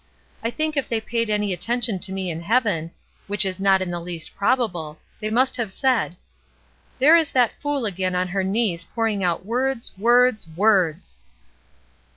I think if they paid any atten tion to me in heaven — which is not in the least probable — they must have said, 'There is that fool again on her knees pouring out words, words, words!'''